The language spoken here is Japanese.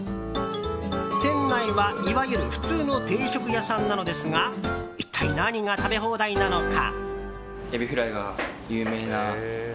店内は、いわゆる普通の定食屋さんなのですが一体、何が食べ放題なのか？